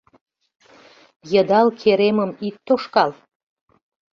Йыдал керемым ит тошкал -